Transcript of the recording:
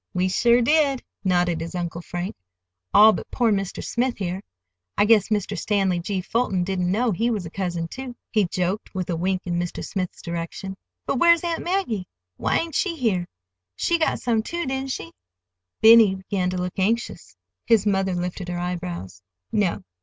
"We sure did," nodded his Uncle Frank, "all but poor Mr. Smith here. I guess Mr. Stanley G. Fulton didn't know he was a cousin, too," he joked, with a wink in Mr. Smith's direction. "But where's Aunt Maggie? Why ain't she here? She got some, too, didn't she?" Benny began to look anxious. His mother lifted her eyebrows. "No.